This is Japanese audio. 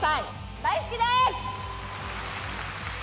大好きです！